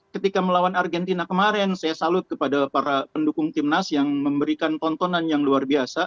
ketika melawan argentina kemarin saya salut kepada para pendukung timnas yang memberikan tontonan yang luar biasa